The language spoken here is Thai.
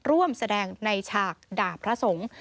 ร่วมแสดงในฉากด่าพระสงฆ์